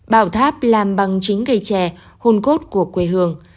bảo tháp làm bằng chính cây tre hôn cốt của quê hương